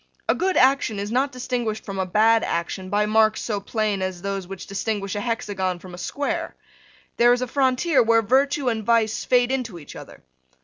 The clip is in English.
A good action is not distinguished from a bad action by marks so plain as those which distinguish a hexagon from a square. There is a frontier where virtue and vice fade into each other.